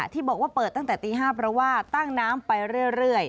ที่บอกว่าเปิดตั้งแต่ตี๕เพราะว่าตั้งน้ำไปเรื่อย